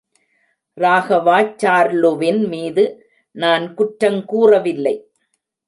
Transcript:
ராகவாச்சார்லுவின் மீது நான் குற்றங் கூறவில்லை.